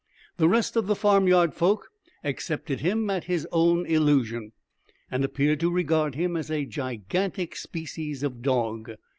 The rest of the farmyard folk accepted him at his own illusion, and appeared to regard him as a gigantic species of dog.